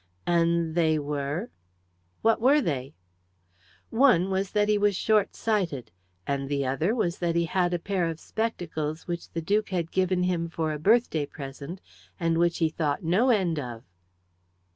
"And they were what were they?" "One was that he was short sighted, and the other was that he had a pair of spectacles which the duke had given him for a birthday present, and which he thought no end of."